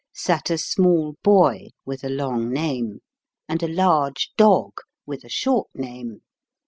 sat a small boy (with a long name) and a large dog (with a short name).